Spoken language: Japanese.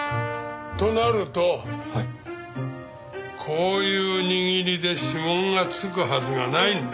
こういう握りで指紋が付くはずがないんだ。